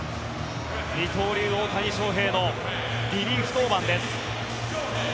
二刀流、大谷翔平のリリーフ登板です。